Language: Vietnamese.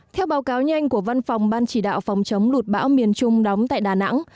theo báo cáo nhanh của văn phòng ban chỉ đạo phòng chống lụt bão miền trung đóng tại đà nẵng